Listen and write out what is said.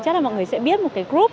chắc là mọi người sẽ biết một cái group